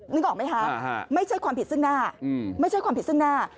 นึกออกไหมคะไม่ใช่ความผิดซึ่งหน้าไม่ใช่ความผิดซึ่งหน้า